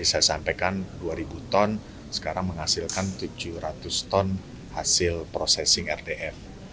saya sampaikan dua ribu ton sekarang menghasilkan tujuh ratus ton hasil processing rtf